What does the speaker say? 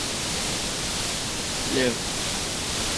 方家沟遗址的历史年代为新石器时代。